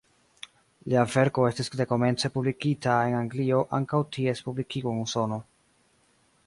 Lia verko estis dekomence publikita en Anglio antaŭ ties publikigo en Usono.